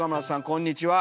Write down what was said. こんにちは。